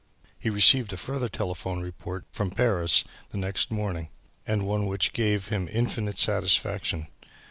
He received a further telephone report from Paris the next morning and one which gave him infinite satisfaction.